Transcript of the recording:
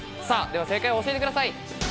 では正解を教えてください。